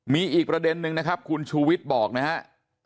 มีอีกประเด็นนึงนะครับคุณชูวิทย์บอกนะครับ